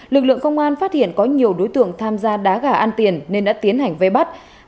lực lượng công an phát hiện có nhiều đối tượng tham gia đá gà ăn tiền nên đã tiến hành vây bắt